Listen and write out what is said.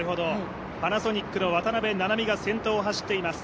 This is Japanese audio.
パナソニックの渡邊菜々美が先頭を走っています。